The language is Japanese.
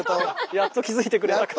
やっと気付いてくれたか。